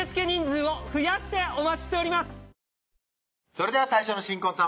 それでは最初の新婚さん